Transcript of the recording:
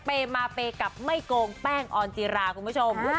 มาเปย์กับไม่โกงแป้งออนจิราคุณผู้ชม